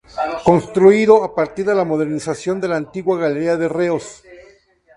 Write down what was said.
Construido a partir de la modernización de la antigua Galería de Reos.